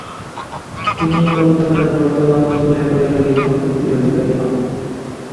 তিনি কলকাতার বটতলা অঞ্চলে পারিবারিক সম্পত্তির অধিকারী হন।